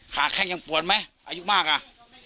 ขากแขกยังปวดหม่ะอายุมากอ่ะ